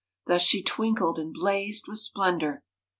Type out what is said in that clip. Thus she twinkled and blazed with splendour.